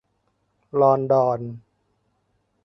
ลอนดอน